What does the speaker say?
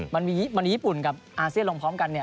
มันมีญี่ปุ่นกับอาเซียนลงพร้อมกัน